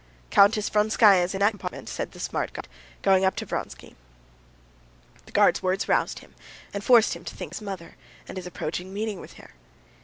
"Countess Vronskaya is in that compartment," said the smart guard, going up to Vronsky. The guard's words roused him, and forced him to think of his mother and his approaching meeting with her.